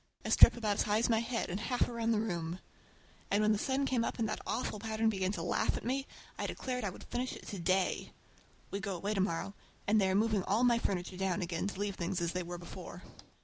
A strip about as high as my head and half around the room. And then when the sun came and that awful pattern began to laugh at me I declared I would finish it to day! We go away to morrow, and they are moving all my furniture down again to leave things as they were before.